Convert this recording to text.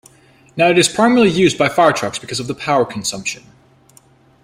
Now it is primarily used by fire trucks because of the power consumption.